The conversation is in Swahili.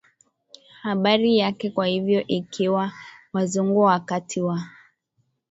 hiari yake Kwa hivyo ikiwa Wazungu wakati wa